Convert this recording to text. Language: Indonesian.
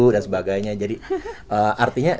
dan sebagainya jadi artinya